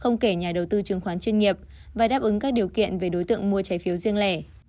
không kể nhà đầu tư chứng khoán chuyên nghiệp và đáp ứng các điều kiện về đối tượng mua trái phiếu riêng lẻ